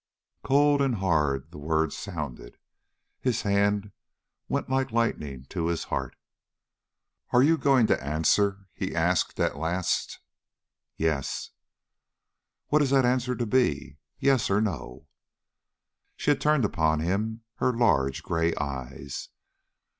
Cold and hard the words sounded his hand went like lightning to his heart. "Are you going to answer?" he asked, at last. "Yes." "What is that answer to be, Yes or No?" She turned upon him her large gray eyes.